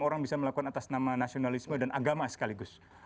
orang bisa melakukan atas nama nasionalisme dan agama sekaligus